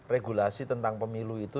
regulasi tentang pemilu itu